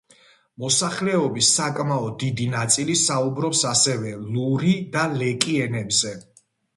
მოსახლეობის საკმაოდ დიდი ნაწილი საუბრობს ასევე ლური და ლეკი ენებზე.